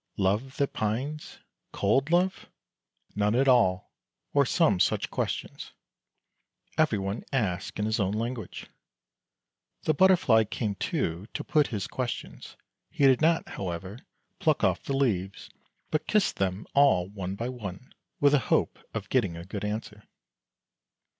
"Love that pines?" "Cold love?" " None at all "— or some such questions. Everyone asks in his own language. The butterfly came too to put his questions; he did not, however, pluck off the leaves but kissed them all one by one, with the hope of getting a good answer.